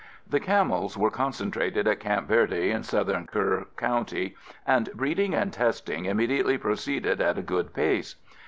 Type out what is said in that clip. _] The camels were concentrated at Camp Verde in Southern Kerr County, and breeding and testing immediately proceeded at a good pace.